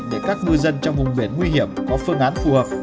để các ngư dân trong vùng biển nguy hiểm có phương án phù hợp